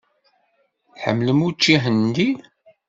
Tḥemmlem učči ahendi?